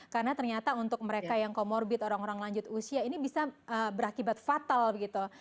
karena ternyata untuk mereka yang comorbid orang orang lanjut usia ini bisa berakibat fatal begitu